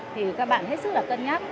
thì các bạn hết sức là cân nhắc